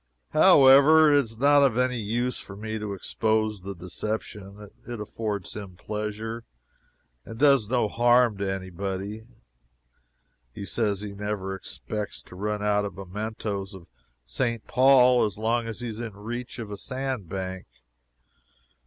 However, it is not of any use for me to expose the deception it affords him pleasure, and does no harm to any body. He says he never expects to run out of mementoes of St. Paul as long as he is in reach of a sand bank.